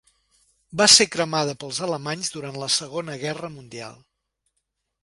Va ser cremada pels alemanys durant la Segona Guerra Mundial.